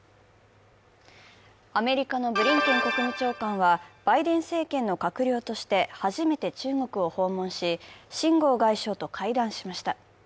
アメリカのブリンケン国務長官はバイデン政権の閣僚として初めて中国を訪問し、秦剛外相と会談しました。